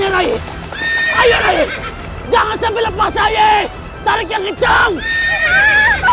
akhirnya aku berhasil menangkapmu